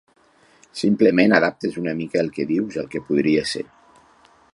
Simplement adaptes una mica el que dius al que podria ser.